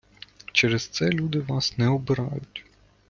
Через це люди Вас не обирають.